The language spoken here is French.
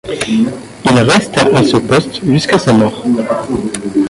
Il resta à ce poste jusqu’à sa mort.